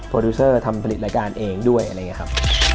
ดิวเซอร์ทำผลิตรายการเองด้วยอะไรอย่างนี้ครับ